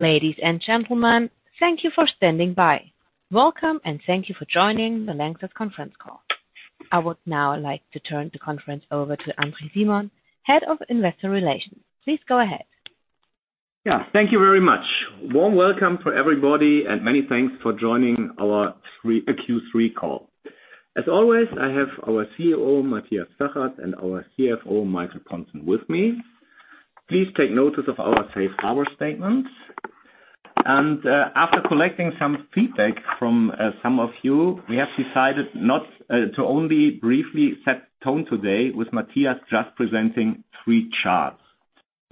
Ladies and gentlemen, thank you for standing by. Welcome and thank you for joining the Lanxess conference call. I would now like to turn the conference over to André Simon, Head of Investor Relations. Please go ahead. Yeah. Thank you very much. Warm welcome for everybody and many thanks for joining our Q3 call. As always, I have our CEO, Matthias Zachert, and our CFO, Michael Pontzen, with me. Please take notice of our safe harbor statement. After collecting some feedback from some of you, we have decided to only briefly set tone today with Matthias just presenting three charts.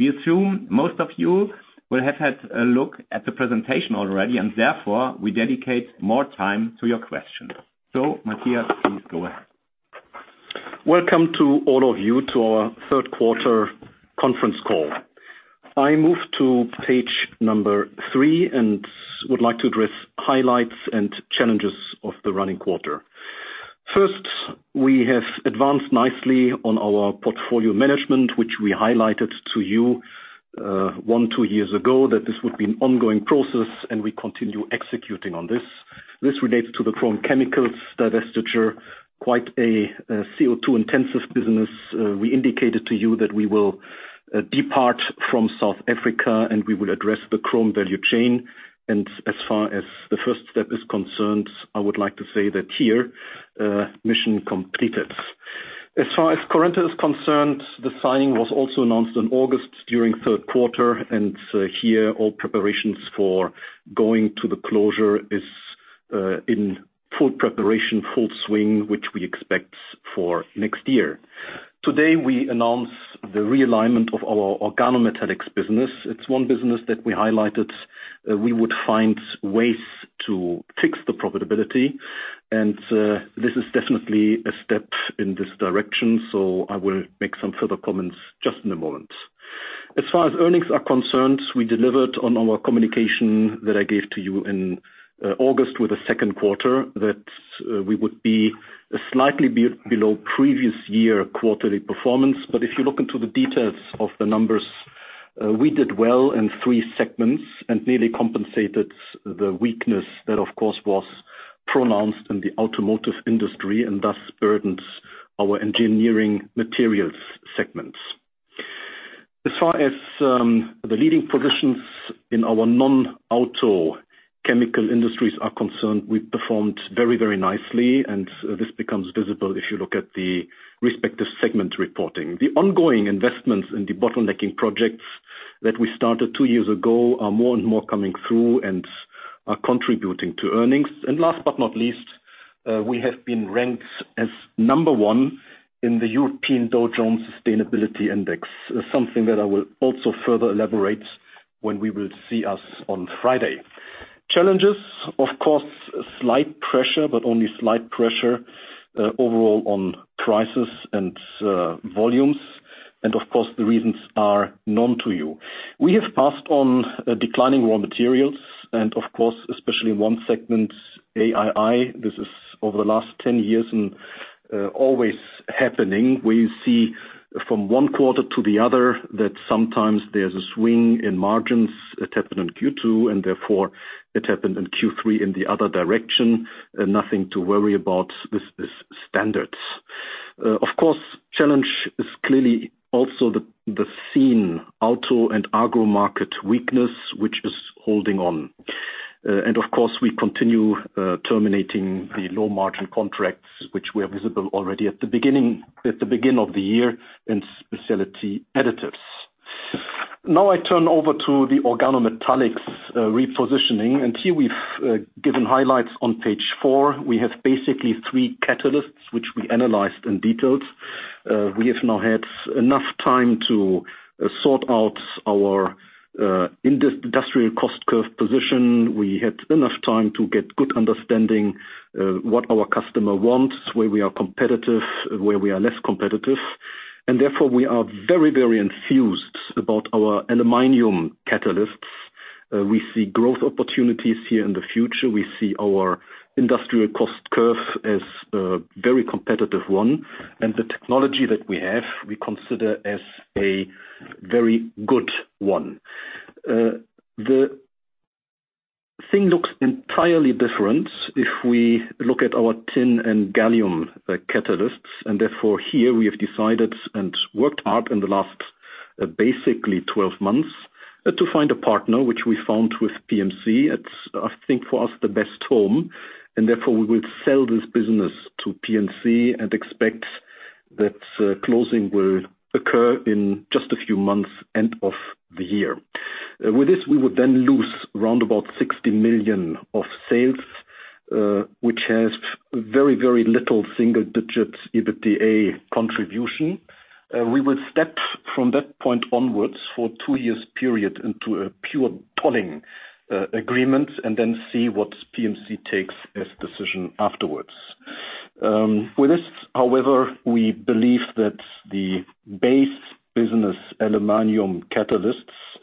We assume most of you will have had a look at the presentation already, and therefore we dedicate more time to your questions. Matthias, please go ahead. Welcome to all of you to our third quarter conference call. I move to page number three and would like to address highlights and challenges of the running quarter. First, we have advanced nicely on our portfolio management, which we highlighted to you one, two years ago that this would be an ongoing process and we continue executing on this. This relates to the chrome chemicals divestiture, quite a CO2-intensive business. We indicated to you that we will depart from South Africa, and we will address the chrome value chain. As far as the first step is concerned, I would like to say that here, mission completed. As far as Currenta is concerned, the signing was also announced in August during the third quarter, here all preparations for going to the closure is in full preparation, full swing, which we expect for next year. Today, we announce the realignment of our organometallics business. It's one business that we highlighted we would find ways to fix the profitability, and this is definitely a step in this direction. I will make some further comments just in a moment. As far as earnings are concerned, we delivered on our communication that I gave to you in August with the second quarter, that we would be slightly below previous-year quarterly performance. If you look into the details of the numbers, we did well in three segments and really compensated the weakness that of course, was pronounced in the automotive industry and thus burdens our Engineering Materials segments. As far as the leading positions in our non-auto chemical industries are concerned, we performed very nicely, and this becomes visible if you look at the respective segment reporting. The ongoing investments in the bottlenecking projects that we started two years ago are more and more coming through and are contributing to earnings. Last but not least, we have been ranked as number 1 in the European Dow Jones Sustainability Index. Something that I will also further elaborate when we will see us on Friday. Challenges, of course, slight pressure, but only slight pressure, overall on prices and volumes. Of course, the reasons are known to you. We have passed on declining raw materials and of course, especially in 1 segment, AII. This is over the last 10 years and always happening. We see from 1 quarter to the other that sometimes there is a swing in margins. It happened in Q2, and therefore it happened in Q3 in the other direction. Nothing to worry about. This is standard. Challenge is clearly also the severe auto and agro market weakness, which is holding on. We continue terminating the low-margin contracts, which were visible already at the beginning of the year in Specialty Additives. I turn over to the organometallics repositioning, here we've given highlights on page four. We have basically three catalysts, which we analyzed in detail. We have now had enough time to sort out our industrial cost curve position. We had enough time to get good understanding what our customer wants, where we are competitive, where we are less competitive, therefore we are very enthused about our aluminium catalysts. We see growth opportunities here in the future. We see our industrial cost curve as a very competitive one, the technology that we have, we consider as a very good one. The thing looks entirely different if we look at our tin and gallium catalysts, and therefore here we have decided and worked hard in the last basically 12 months to find a partner, which we found with PMC. It's, I think for us, the best home, and therefore we will sell this business to PMC and expect that closing will occur in just a few months end of the year. With this, we would then lose around about $60 million of sales, which has very little single-digit EBITDA contribution. We will step from that point onwards for two years period into a pure tolling agreement and then see what PMC takes as decision afterwards. With this, however, we believe that the base business aluminium catalysts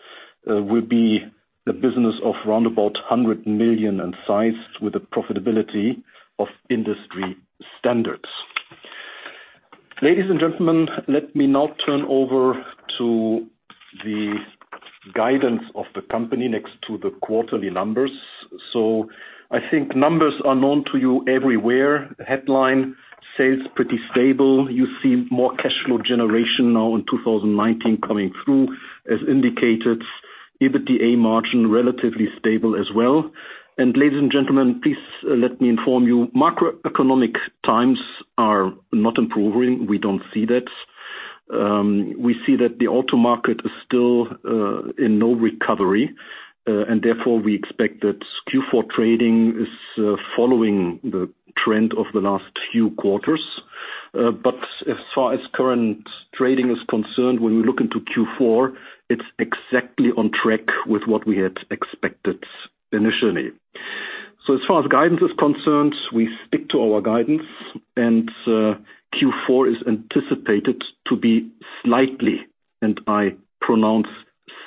will be a business of around about $100 million in size with the profitability of industry standards. Ladies and gentlemen, let me now turn over to the guidance of the company next to the quarterly numbers. I think numbers are known to you everywhere. Headline, sales pretty stable. You see more cash flow generation now in 2019 coming through as indicated. EBITDA margin, relatively stable as well. Ladies and gentlemen, please let me inform you, macroeconomic times are not improving. We don't see that. We see that the auto market is still in no recovery, and therefore we expect that Q4 trading is following the trend of the last few quarters. As far as current trading is concerned, when we look into Q4, it is exactly on track with what we had expected initially. As far as guidance is concerned, we stick to our guidance, Q4 is anticipated to be slightly, and I pronounce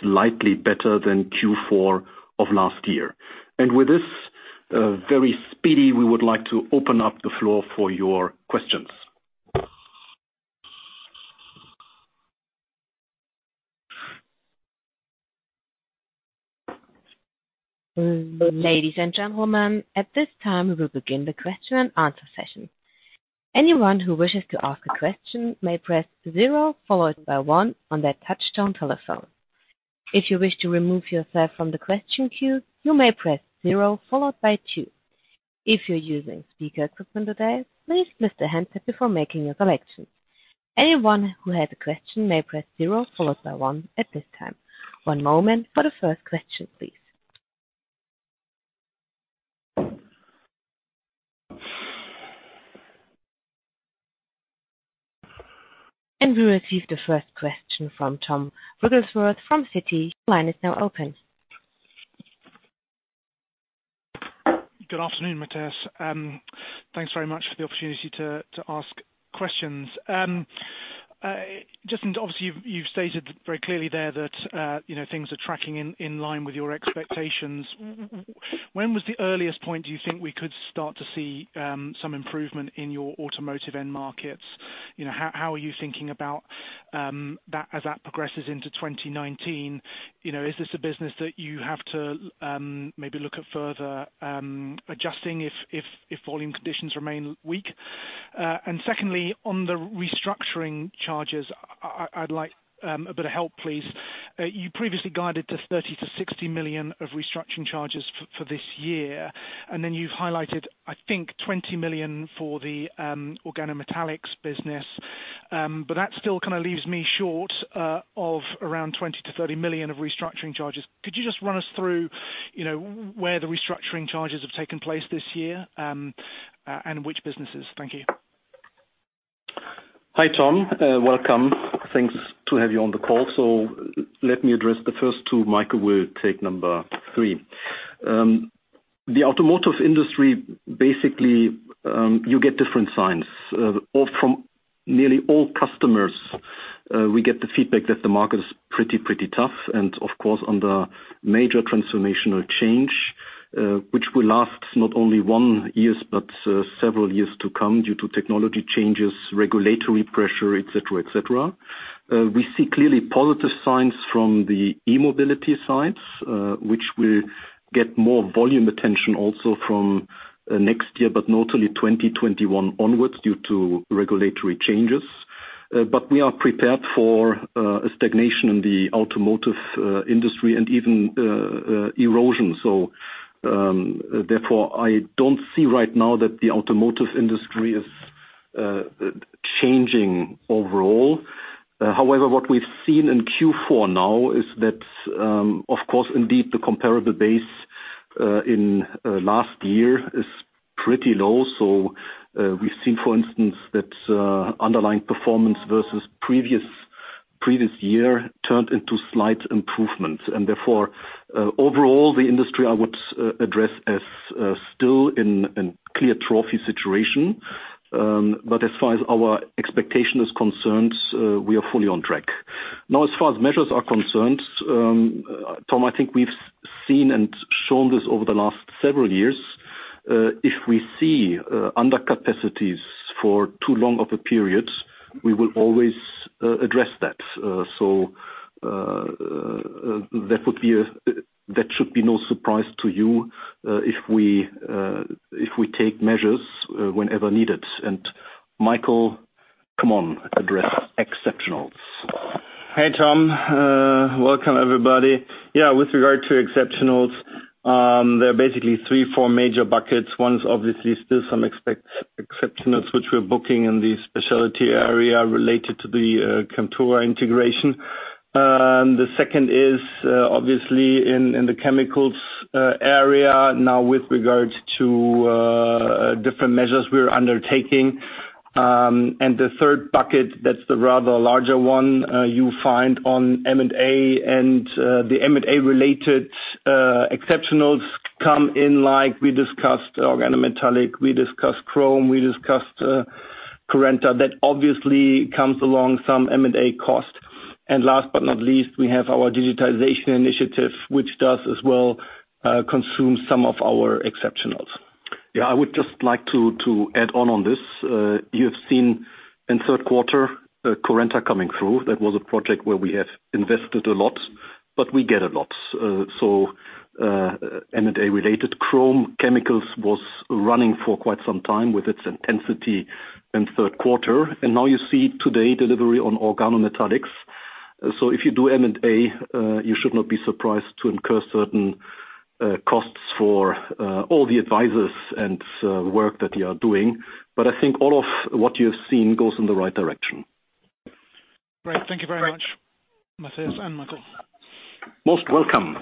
slightly better than Q4 of last year. With this, very speedy, we would like to open up the floor for your questions. Ladies and gentlemen, at this time we will begin the question and answer session. Anyone who wishes to ask a question may press zero followed by one on their touch-tone telephone. If you wish to remove yourself from the question queue, you may press zero followed by two. If you're using speaker equipment today, please lift the handset before making your selections. Anyone who has a question may press zero followed by one at this time. One moment for the first question, please. We receive the first question from Tom Wrigglesworth from Citi. Your line is now open. Good afternoon, Matthias. Thanks very much for the opportunity to ask questions. Obviously you've stated very clearly there that things are tracking in line with your expectations. When was the earliest point do you think we could start to see some improvement in your automotive end markets? How are you thinking about that as that progresses into 2019? Is this a business that you have to maybe look at further adjusting if volume conditions remain weak? Secondly, on the restructuring charges, I'd like a bit of help, please. You previously guided to 30 million-60 million of restructuring charges for this year, then you've highlighted, I think, 20 million for the Organometallics business. That still kind of leaves me short of around 20 million-30 million of restructuring charges. Could you just run us through where the restructuring charges have taken place this year, and which businesses? Thank you. Hi, Tom. Welcome. Thanks to have you on the call. Let me address the first two. Michael will take number 3. The automotive industry, basically, you get different signs. From nearly all customers, we get the feedback that the market is pretty tough and, of course, under major transformational change, which will last not only one years but several years to come due to technology changes, regulatory pressure, et cetera. We see clearly positive signs from the e-mobility sides, which will get more volume attention also from next year, but notably 2021 onwards due to regulatory changes. We are prepared for a stagnation in the automotive industry and even erosion. Therefore, I don't see right now that the automotive industry is changing overall. However, what we've seen in Q4 now is that, of course, indeed the comparable base in last year is pretty low. We've seen, for instance, that underlying performance versus previous year turned into slight improvements and therefore overall the industry I would address as still in clear trophy situation. As far as our expectation is concerned, we are fully on track. As far as measures are concerned, Tom, I think we've seen and shown this over the last several years. If we see undercapacities for too long of a period, we will always address that. That should be no surprise to you if we take measures whenever needed. Michael, come on, address exceptionals. Hey, Tom. Welcome everybody. With regard to exceptionals, there are basically three, four major buckets. One's obviously still some exceptionals, which we're booking in the specialty area related to the Chemtura integration. The second is obviously in the chemicals area now with regards to different measures we're undertaking. The third bucket, that's the rather larger one, you find on M&A and the M&A-related exceptionals come in like we discussed organometallic, we discussed chrome, we discussed Currenta. That obviously comes along some M&A costs. Last but not least, we have our digitization initiative, which does as well consume some of our exceptionals. Yeah, I would just like to add on this. You have seen in third quarter Currenta coming through. That was a project where we have invested a lot, but we get a lot. M&A related chrome chemicals was running for quite some time with its intensity in third quarter. Now you see today delivery on organometallics. If you do M&A, you should not be surprised to incur certain costs for all the advisors and work that you are doing. I think all of what you have seen goes in the right direction. Great. Thank you very much. Matthias and Michael. Most welcome.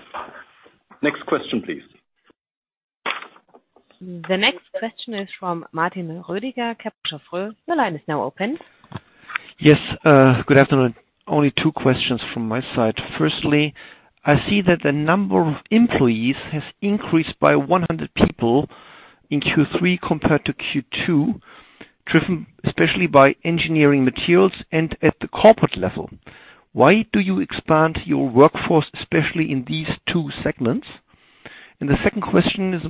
Next question, please. The next question is from Martin Rödiger, Kepler Cheuvreux. The line is now open. Yes, good afternoon. Only two questions from my side. Firstly, I see that the number of employees has increased by 100 people in Q3 compared to Q2, driven especially by Engineering Materials and at the corporate level. Why do you expand your workforce, especially in these two segments? The second question is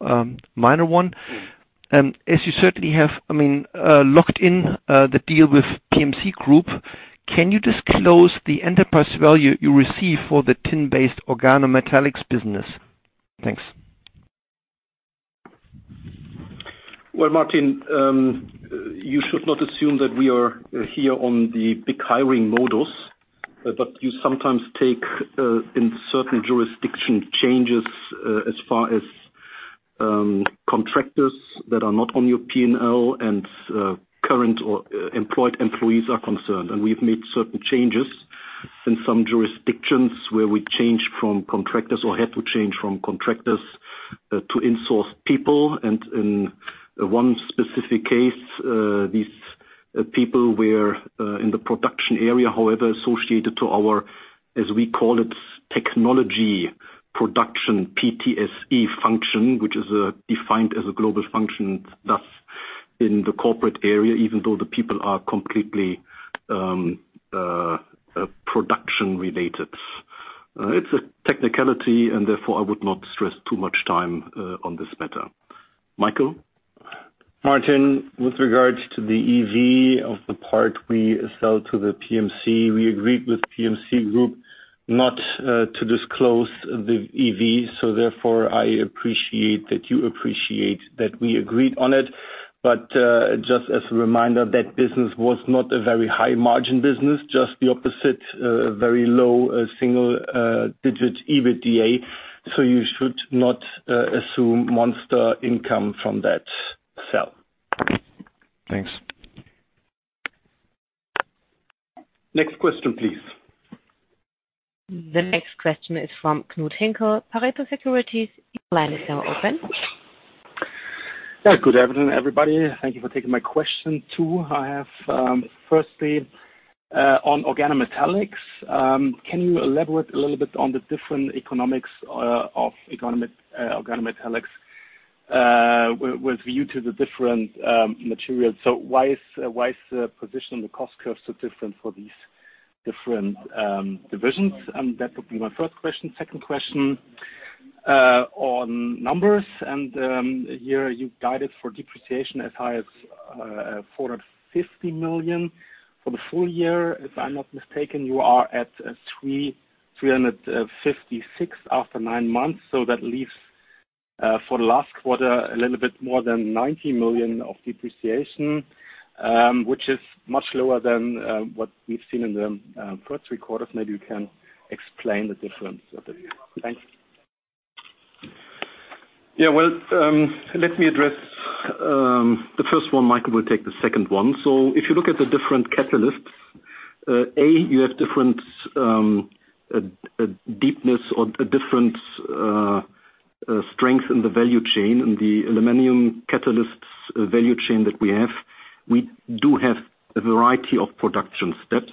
a minor one. As you certainly have locked in the deal with PMC Group, can you disclose the enterprise value you receive for the tin-based organometallics business? Thanks. Well, Martin, you should not assume that we are here on the big hiring modus, but you sometimes take, in certain jurisdiction, changes as far as contractors that are not on your P&L and current or employed employees are concerned. We've made certain changes in some jurisdictions where we changed from contractors or had to change from contractors to insourced people. In one specific case, these people were in the production area, however, associated to our, as we call it, technology production, PTSE function, which is defined as a global function, thus in the corporate area, even though the people are completely production-related. It's a technicality, therefore I would not stress too much time on this matter. Michael? Martin, with regards to the EV of the part we sell to the PMC, we agreed with PMC Group not to disclose the EV, therefore I appreciate that you appreciate that we agreed on it. Just as a reminder, that business was not a very high margin business, just the opposite, very low single-digit EBITDA. You should not assume monster income from that sale. Thanks. Next question, please. The next question is from Knud Hinkel, Pareto Securities. Your line is now open. Good afternoon, everybody. Thank you for taking my question, too. I have, firstly, on organometallics, can you elaborate a little bit on the different economics of organometallics, with view to the different materials? Why is the position on the cost curve so different for these different divisions? That would be my first question. Second question, on numbers, here you guided for depreciation as high as 450 million for the full year. If I'm not mistaken, you are at 356 after nine months. That leaves, for the last quarter, a little bit more than 90 million of depreciation, which is much lower than what we've seen in the first three quarters. Maybe you can explain the difference a bit. Thanks. Well, let me address the first one. Michael will take the second one. If you look at the different catalysts, you have different deepness or a different strength in the value chain. In the aluminium catalyst value chain that we have, we do have a variety of production steps.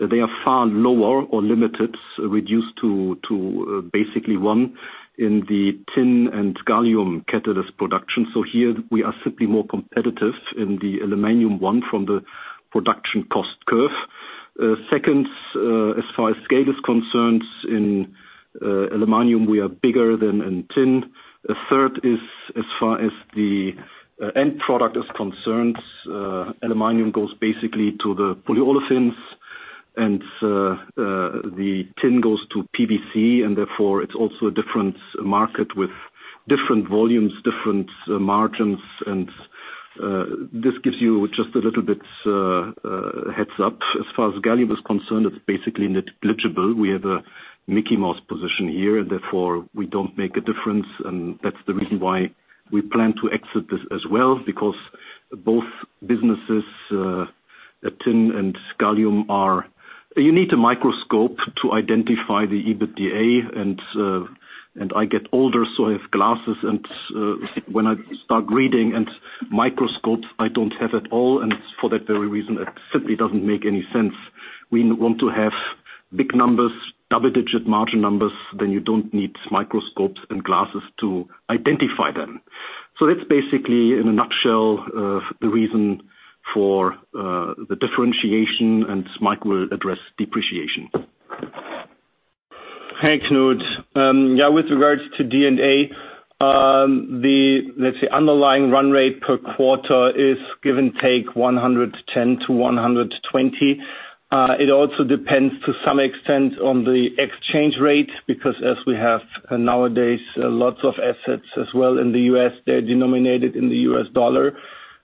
They are far lower or limited, reduced to basically one in the tin and gallium catalyst production. Here we are simply more competitive in the aluminium one from the production cost curve. Second, as far as scale is concerned, in aluminium, we are bigger than in tin. The third is as far as the end product is concerned, aluminium goes basically to the polyolefins and the tin goes to PVC, and therefore it's also a different market with different volumes, different margins, and this gives you just a little bit heads-up. As far as gallium is concerned, it's basically negligible. We have a Mickey Mouse position here, and therefore we don't make a difference. That's the reason why we plan to exit this as well, because both businesses, tin and gallium, you need a microscope to identify the EBITDA, and I get older, so I have glasses and when I start reading and microscopes, I don't have at all. For that very reason, it simply doesn't make any sense. We want to have big numbers, double-digit margin numbers, then you don't need microscopes and glasses to identify them. That's basically, in a nutshell, the reason for the differentiation, and Mike will address depreciation. Thanks, Knud. With regards to D&A, the underlying run rate per quarter is give and take 110-120. It also depends to some extent on the exchange rate, as we have nowadays, lots of assets as well in the U.S., they're denominated in the U.S. dollar.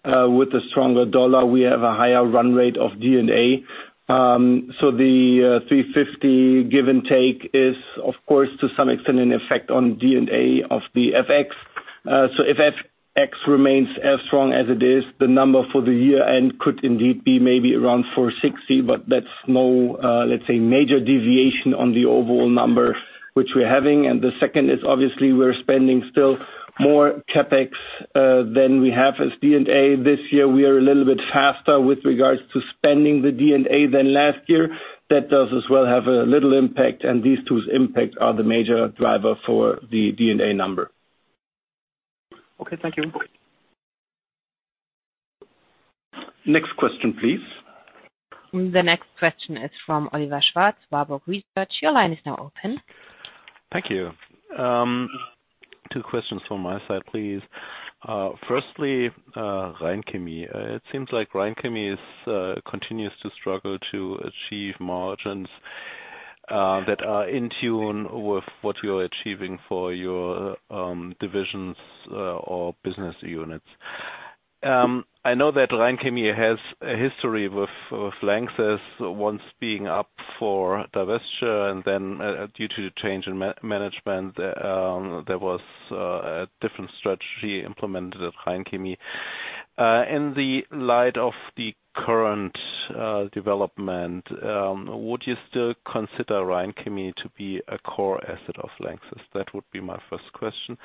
With the stronger dollar, we have a higher run rate of D&A. The 350 give and take is, of course, to some extent an effect on D&A of the FX. If FX remains as strong as it is, the number for the year end could indeed be maybe around 460, that's no, let's say, major deviation on the overall number which we're having. The second is obviously we're spending still more CapEx than we have as D&A this year. We are a little bit faster with regards to spending the D&A than last year. That does as well have a little impact, and these two's impact are the major driver for the D&A number. Okay, thank you. Next question, please. The next question is from Oliver Schwarz, Warburg Research. Your line is now open. Thank you. Two questions from my side, please. Firstly, Rhein Chemie. It seems like Rhein Chemie continues to struggle to achieve margins that are in tune with what you're achieving for your divisions or business units. I know that Rhein Chemie has a history with LANXESS once being up for divesture, and then due to the change in management, there was a different strategy implemented at Rhein Chemie. In the light of the current development, would you still consider Rhein Chemie to be a core asset of LANXESS? That would be my first question.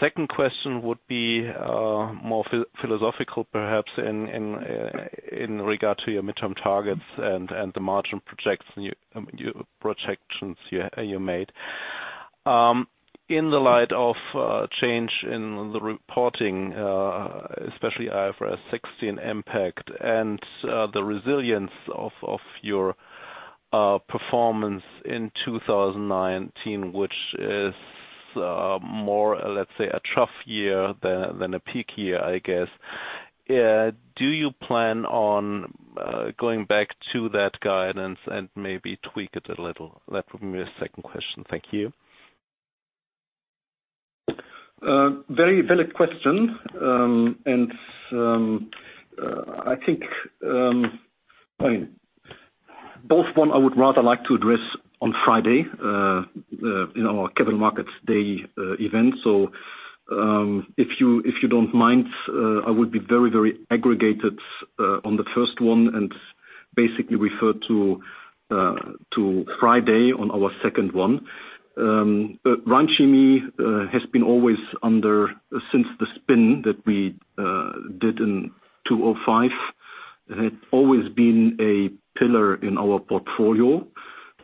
Second question would be more philosophical, perhaps, in regard to your midterm targets and the margin projections you made. In the light of change in the reporting, especially IFRS 16 impact and the resilience of your performance in 2019, which is more, let's say, a trough year than a peak year, I guess. Do you plan on going back to that guidance and maybe tweak it a little? That would be my second question. Thank you. Very valid question. I think, both one I would rather like to address on Friday in our Capital Markets Day event. If you don't mind, I would be very, very aggregated on the first one and basically refer to Friday on our second one. Rhein Chemie has been always under, since the spin that we did in 2005, had always been a pillar in our portfolio.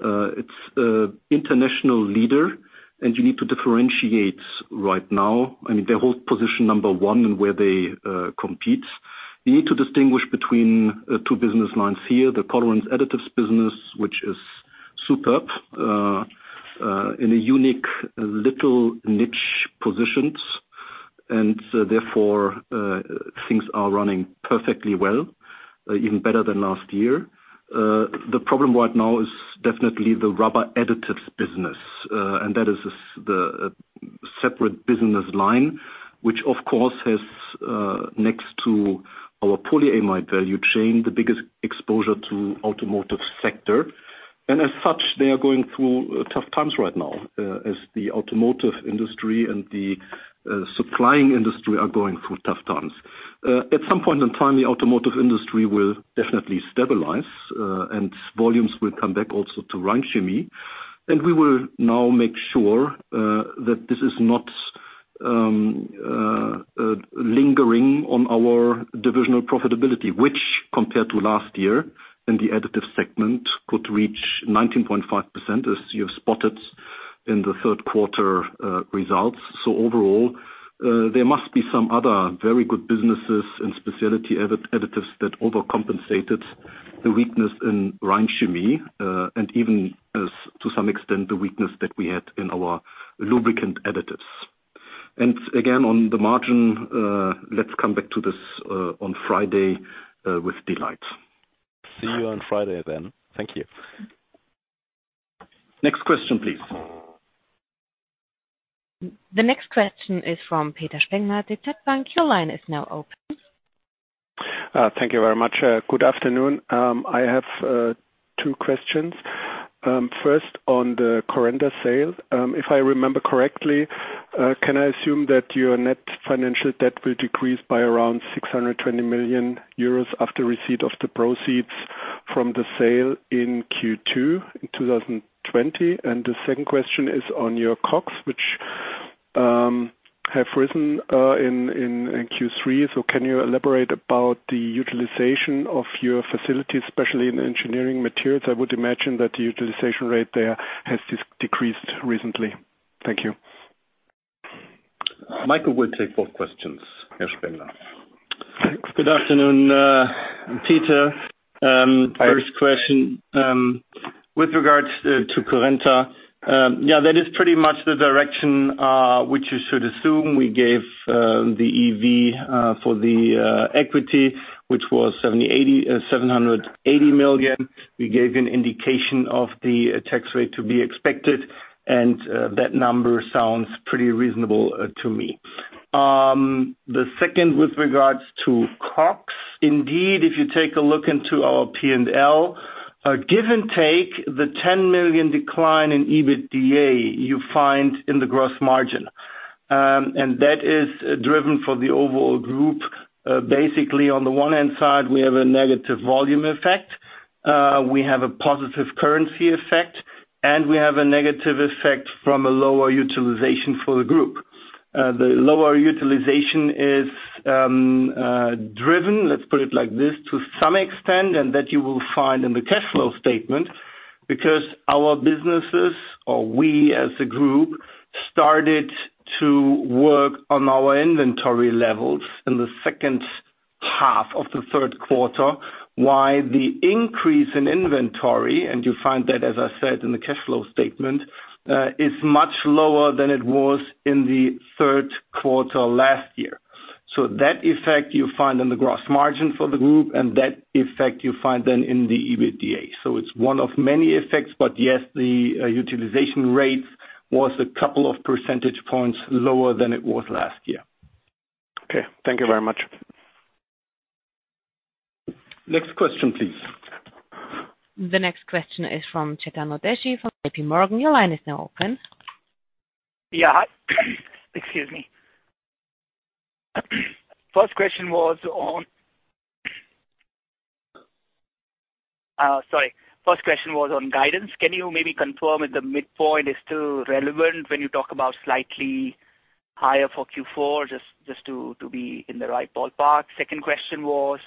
It's an international leader, you need to differentiate right now. They hold position number 1 in where they compete. You need to distinguish between two business lines here, the Colorant Additives business, which is superb in a unique little niche positions, therefore things are running perfectly well, even better than last year. The problem right now is definitely the rubber additives business. That is the separate business line, which, of course, has next to our polyamide value chain, the biggest exposure to automotive sector. As such, they are going through tough times right now as the automotive industry and the supplying industry are going through tough times. At some point in time, the automotive industry will definitely stabilize, and volumes will come back also to Rhein Chemie. We will now make sure that this is not lingering on our divisional profitability, which compared to last year in the additive segment, could reach 19.5% as you have spotted in the third quarter results. Overall, there must be some other very good businesses and Specialty Additives that overcompensated the weakness in Rhein Chemie, and even to some extent, the weakness that we had in our lubricant additives. Again, on the margin, let's come back to this on Friday with delight. See you on Friday then. Thank you. Next question, please. The next question is from Peter Spengler, DZ Bank. Your line is now open. Thank you very much. Good afternoon. I have two questions. First, on the Currenta sale. If I remember correctly, can I assume that your net financial debt will decrease by around 620 million euros after receipt of the proceeds from the sale in Q2 2020? The second question is on your COGS, which have risen in Q3. Can you elaborate about the utilization of your facilities, especially in Engineering Materials? I would imagine that the utilization rate there has decreased recently. Thank you. Michael will take both questions. Herr Spengler. Good afternoon, Peter. First question with regards to Currenta. Yeah, that is pretty much the direction, which you should assume we gave the EV for the equity, which was EUR 780 million. That number sounds pretty reasonable to me. The second, with regards to COGS, indeed, if you take a look into our P&L, give and take the 10 million decline in EBITDA you find in the gross margin. That is driven for the overall group. Basically, on the one hand side, we have a negative volume effect. We have a positive currency effect, and we have a negative effect from a lower utilization for the group. The lower utilization is driven, let's put it like this, to some extent, and that you will find in the cash flow statement, because our businesses or we as a group, started to work on our inventory levels in the second half of the third quarter. Why the increase in inventory, and you find that, as I said, in the cash flow statement, is much lower than it was in the third quarter last year. That effect you find in the gross margin for the group and that effect you find then in the EBITDA. It's one of many effects, but yes, the utilization rate was a couple of percentage points lower than it was last year. Okay. Thank you very much. Next question, please. The next question is from Chetan Udeshi from JPMorgan. Your line is now open. Yeah. Excuse me. First question was on guidance. Can you maybe confirm if the midpoint is still relevant when you talk about slightly higher for Q4, just to be in the right ballpark? Second question was,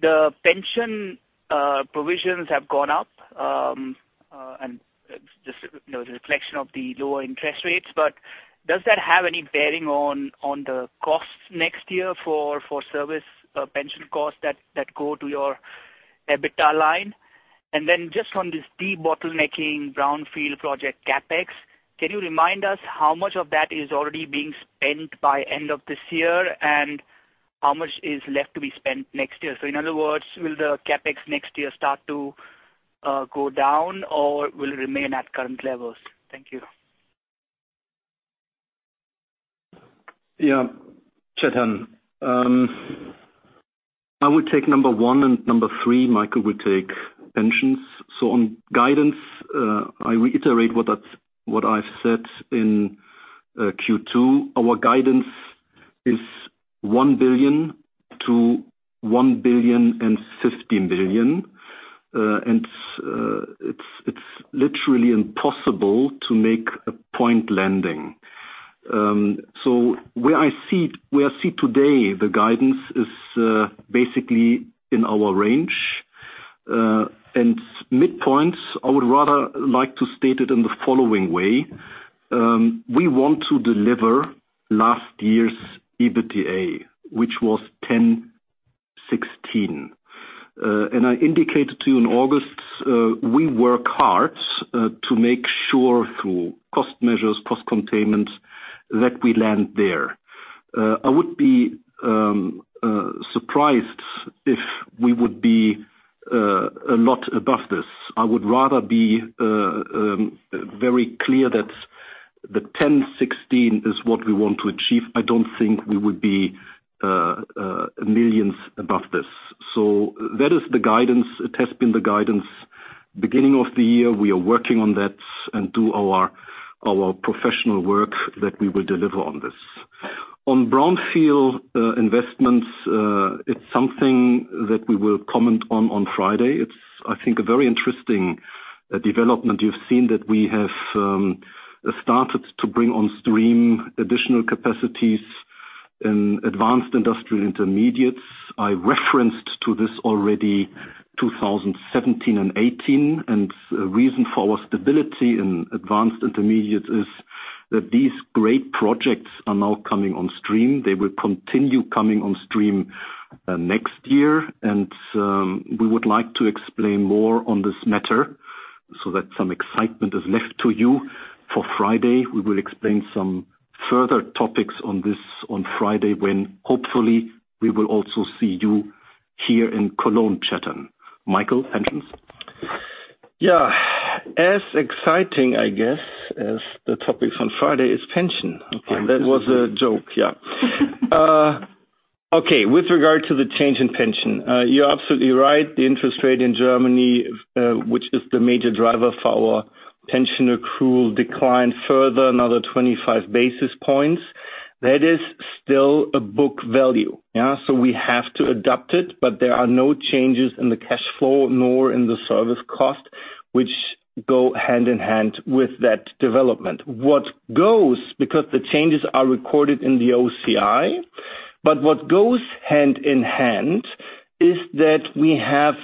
the pension provisions have gone up, and just a reflection of the lower interest rates, but does that have any bearing on the costs next year for service pension costs that go to your EBITDA line? Just on this debottlenecking brownfield project CapEx, can you remind us how much of that is already being spent by end of this year and how much is left to be spent next year? In other words, will the CapEx next year start to go down or will it remain at current levels? Thank you. Yeah. Chetan Udeshi, I will take number one and number three. Michael Pontzen will take pensions. On guidance, I reiterate what I've said in Q2. Our guidance is 1 billion to 1 billion to 1.050 billion. It's literally impossible to make a point landing. Where I see today, the guidance is basically in our range. Midpoints, I would rather like to state it in the following way. We want to deliver last year's EBITDA, which was 1,016. I indicated to you in August, we work hard to make sure through cost measures, cost containments that we land there. I would be surprised if we would be a lot above this. I would rather be very clear that the 1,016 is what we want to achieve. I don't think we would be millions above this. That is the guidance. It has been the guidance beginning of the year. We are working on that and do our professional work that we will deliver on this. On brownfield investments, it's something that we will comment on Friday. It's, I think, a very interesting development. You've seen that we have started to bring on stream additional capacities in Advanced Industrial Intermediates. I referenced to this already 2017 and 2018. Reason for our stability in Advanced Industrial Intermediates is that these great projects are now coming on stream. They will continue coming on stream next year. We would like to explain more on this matter so that some excitement is left to you for Friday. We will explain some further topics on this on Friday when hopefully we will also see you here in Cologne, Chetan. Michael, pensions? Yeah. As exciting, I guess, as the topics on Friday is pension. Okay. That was a joke, yeah. Okay. With regard to the change in pension, you're absolutely right. The interest rate in Germany, which is the major driver for our pension accrual declined further, another 25 basis points. That is still a book value. We have to adopt it, but there are no changes in the cash flow nor in the service cost, which go hand in hand with that development. What goes, because the changes are recorded in the OCI. What goes hand in hand is that we have,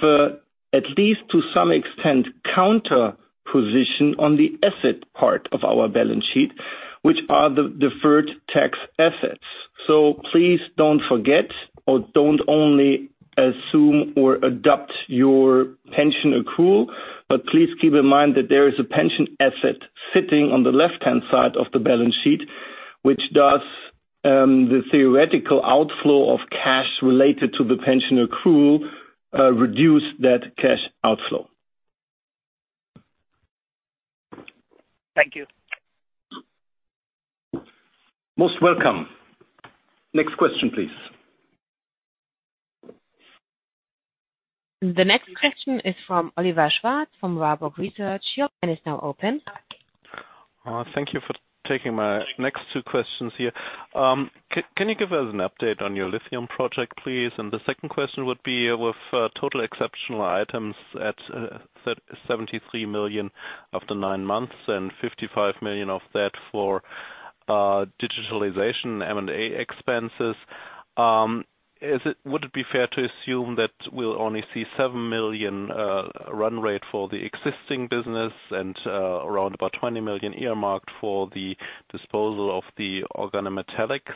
at least to some extent, counter-position on the asset part of our balance sheet, which are the deferred tax assets. Please do not forget, or do not only assume or adopt your pension accrual, but please keep in mind that there is a pension asset sitting on the left-hand side of the balance sheet, which does the theoretical outflow of cash related to the pension accrual, reduce that cash outflow. Thank you. Most welcome. Next question, please. The next question is from Oliver Schwarz, from Warburg Research. Your line is now open. Thank you for taking my next two questions here. Can you give us an update on your lithium project, please? The second question would be, with total exceptional items at 73 million after nine months and 55 million of that for digitalization M&A expenses, would it be fair to assume that we'll only see 7 million run rate for the existing business and around about 20 million earmarked for the disposal of the Organometallics?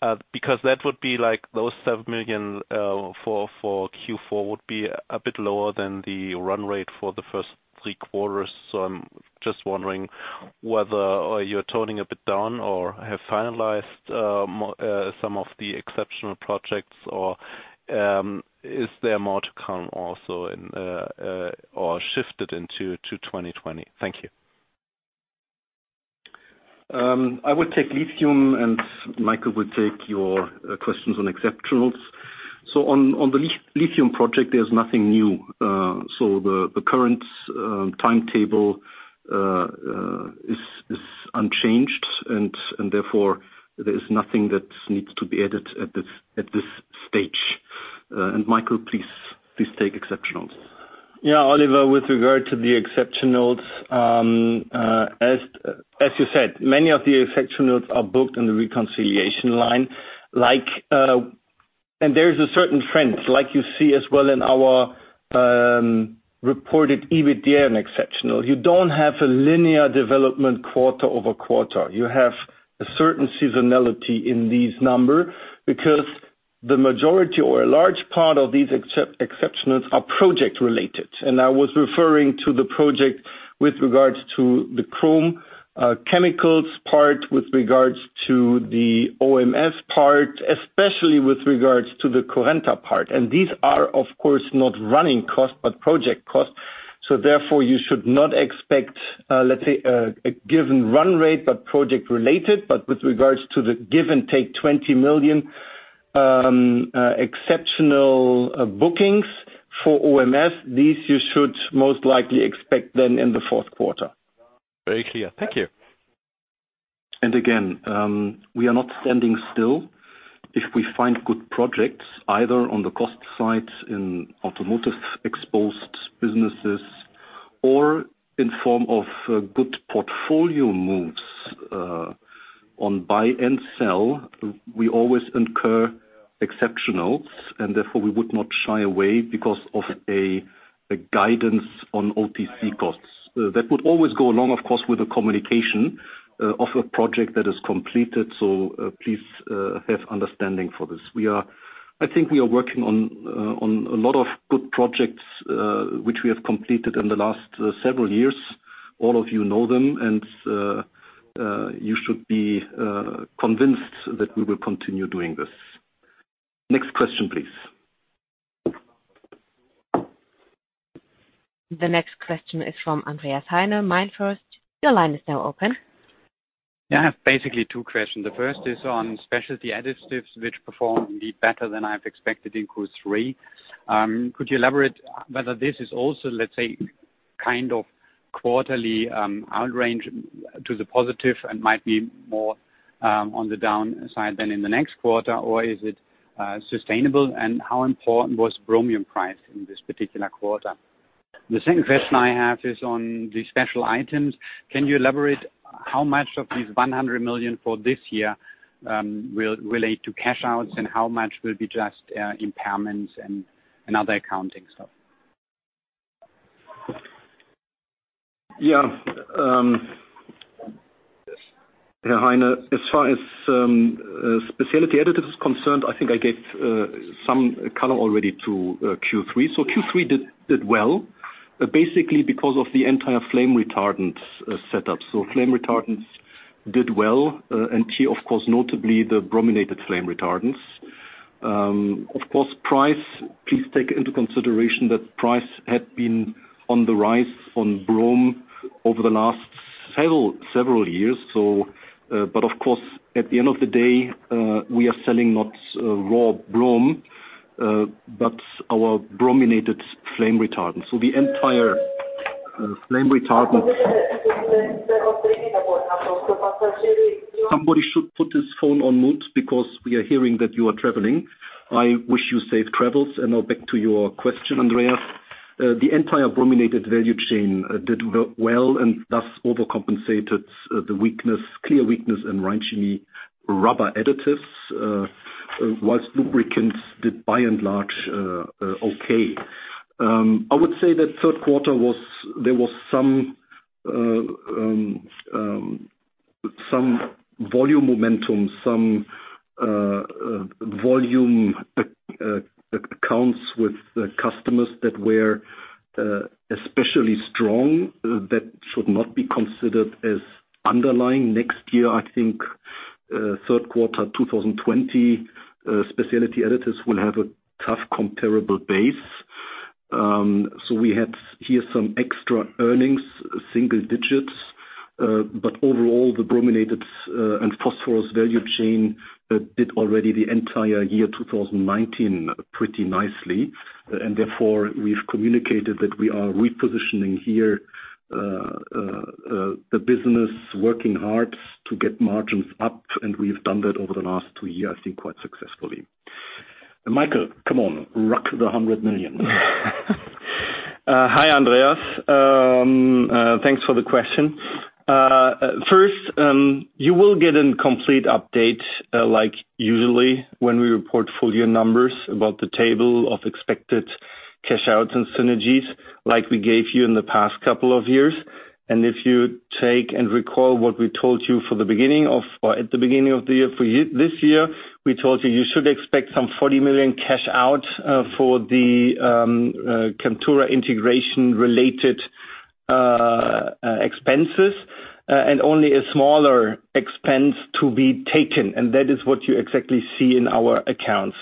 That would be like those 7 million for Q4 would be a bit lower than the run rate for the first three quarters. I'm just wondering whether you're toning a bit down or have finalized some of the exceptional projects, or is there more to come also or shifted into 2020? Thank you. I will take lithium and Michael will take your questions on exceptionals. On the lithium project, there's nothing new. The current timetable is unchanged, and therefore there is nothing that needs to be added at this stage. Michael, please take exceptionals. Yeah. Oliver, with regard to the exceptionals, as you said, many of the exceptionals are booked in the reconciliation line. There is a certain trend, like you see as well in our reported EBITDA and exceptional. You don't have a linear development quarter-over-quarter. You have a certain seasonality in these number because the majority or a large part of these exceptionals are project-related. I was referring to the project with regards to the chrome chemicals part, with regards to the OMS part, especially with regards to the Currenta part. These are of course not running costs, but project costs. Therefore you should not expect, let's say, a given run rate, but project-related. With regards to the give and take 20 million exceptional bookings for OMS, these you should most likely expect then in the fourth quarter. Very clear. Thank you. Again, we are not standing still. If we find good projects, either on the cost side in automotive exposed businesses or in form of good portfolio moves on buy and sell, we always incur exceptionals, and therefore we would not shy away because of a guidance on OTC costs. That would always go along, of course, with the communication of a project that is completed. Please have understanding for this. I think we are working on a lot of good projects, which we have completed in the last several years. All of you know them and you should be convinced that we will continue doing this. Next question, please. The next question is from Andreas Heine, MainFirst. Your line is now open. Yeah. I have basically two questions. The first is on Specialty Additives, which performed indeed better than I've expected in Q3. Could you elaborate whether this is also, let's say, kind of quarterly outrange to the positive and might be more on the downside than in the next quarter? Is it sustainable? How important was bromine price in this particular quarter? The second question I have is on the special items. Can you elaborate how much of these 100 million for this year will relate to cash outs, and how much will be just impairments and other accounting stuff? Yeah. Herr Heine, as far as Specialty Additives is concerned, I think I gave some color already to Q3. Q3 did well, basically because of the entire flame retardant setup. Flame retardants did well, and here of course, notably the brominated flame retardants. Of course, price, please take into consideration that price had been on the rise on bromine over the last several years. Of course at the end of the day, we are selling not raw bromine, but our brominated flame retardant. The entire flame retardant Somebody should put his phone on mute because we are hearing that you are traveling. I wish you safe travels. Now back to your question, Andreas. The entire brominated value chain did well and thus overcompensated the weakness, clear weakness in Reichshoffen rubber additives, whilst lubricant additives did by and large okay. I would say that third quarter there was some volume momentum, some volume accounts with customers that were especially strong that should not be considered as underlying. Next year, I think, third quarter 2020, Specialty Additives will have a tough comparable base. We had here some extra earnings, single digits. Overall, the brominated and phosphorus value chain did already the entire year 2019 pretty nicely and therefore we've communicated that we are repositioning here the business, working hard to get margins up, and we've done that over the last two years, I think, quite successfully. Michael, come on, rock the 100 million. Hi, Andreas. Thanks for the question. First, you will get a complete update, like usually when we report full-year numbers about the table of expected cash-outs and synergies like we gave you in the past couple of years. If you take and recall what we told you at the beginning of this year, we told you should expect some 40 million cash-out for the Chemtura integration related expenses, and only a smaller expense to be taken. That is what you exactly see in our accounts.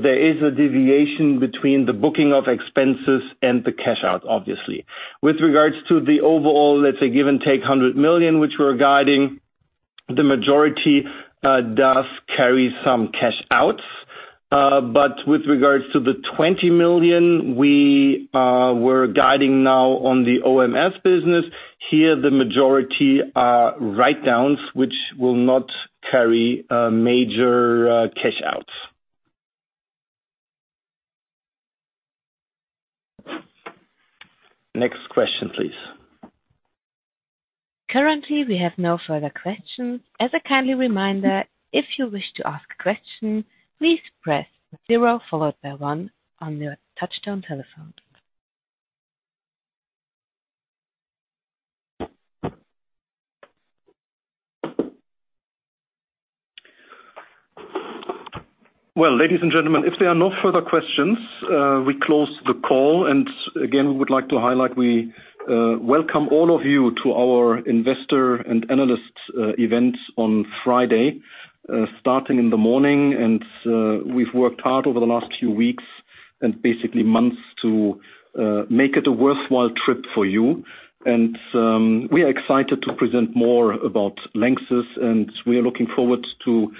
There is a deviation between the booking of expenses and the cash-out, obviously. With regards to the overall, let's say, give and take 100 million, which we're guiding, the majority does carry some cash-outs. With regards to the 20 million we were guiding now on the OMS business, here the majority are write-downs which will not carry major cash outs. Next question, please. Currently, we have no further questions. As a kind reminder, if you wish to ask a question, please press zero followed by one on your touchtone telephone. Well, ladies and gentlemen, if there are no further questions, we close the call and again, we would like to highlight we welcome all of you to our investor and analyst event on Friday, starting in the morning. We've worked hard over the last few weeks and basically months to make it a worthwhile trip for you. We are excited to present more about LANXESS, and we are looking forward to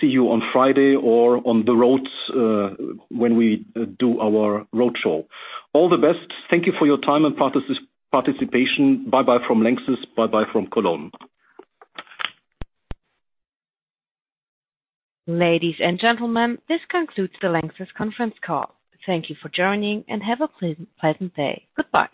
see you on Friday or on the roads when we do our road show. All the best. Thank you for your time and participation. Bye-bye from LANXESS. Bye-bye from Cologne. Ladies and gentlemen, this concludes the Lanxess conference call. Thank you for joining, and have a pleasant day. Goodbye.